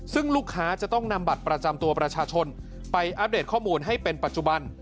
ซึ่งลูกค้าจะต้องนำบัตรประจำตัวประชาชนไปอัปเดตข้อมูลให้เป็นปัจจุบัน